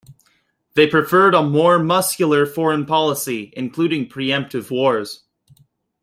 They preferred a more muscular foreign policy, including preemptive wars.